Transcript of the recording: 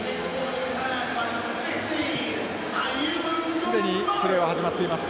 すでにプレーは始まっています。